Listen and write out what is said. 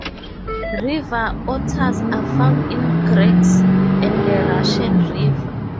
River otters are found in creeks and the Russian River.